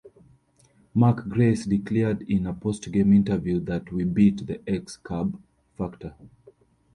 Mark Grace declared in an post-game interview that "We beat the ex-Cub Factor!".